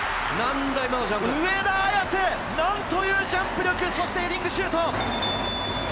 上田綺世、何というジャンプ力そしてヘディングシュート！